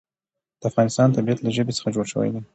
د افغانستان طبیعت له ژبې څخه جوړ شوی دی.